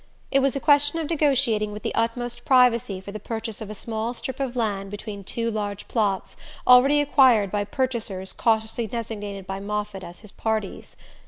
It was a question of negotiating with the utmost privacy for the purchase of a small strip of land between two large plots already acquired by purchasers cautiously designated by Moffatt as his "parties."